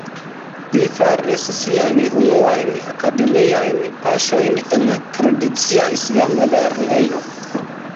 Li faris siajn unuajn akademiajn paŝojn en tradicia islama lernejo.